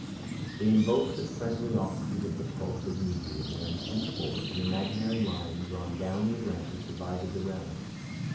They invoked the friendly offices of the Pope as mediator, and, henceforth, an imaginary line drawn down the Atlantic divided the realms.